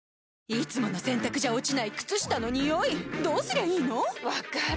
いつもの洗たくじゃ落ちない靴下のニオイどうすりゃいいの⁉分かる。